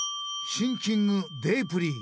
シンキングデープリー。